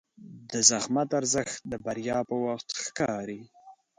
د زحمت ارزښت د بریا په وخت ښکاري.